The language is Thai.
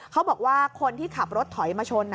เขาบอกว่าคนที่ขับรถถอยมาชน